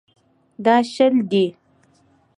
دا شل دي.